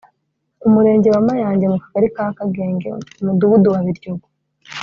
umurenge wa Mayange mu kagali ka Kagenge umudugudu wa Biryogo